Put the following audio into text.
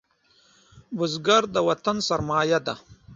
بزګر د وطن سرمايه ده